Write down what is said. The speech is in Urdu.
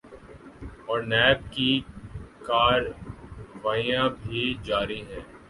اورنیب کی کارروائیاں بھی جاری ہیں۔